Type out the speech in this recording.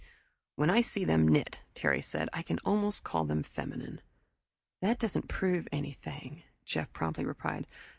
"When I see them knit," Terry said, "I can almost call them feminine." "That doesn't prove anything," Jeff promptly replied.